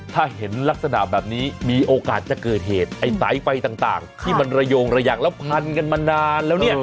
ถ้าเห็นลักษณะแบบนี้มีโอกาสจะเกิดเหตุไอ้สายไฟต่างที่มันระโยงระยักแล้วพันกันมานานแล้วเนี่ย